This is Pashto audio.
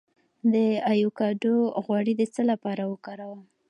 د ایوکاډو غوړي د څه لپاره وکاروم؟